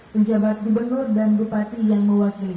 penjabat gubernur dan bupati yang mewakili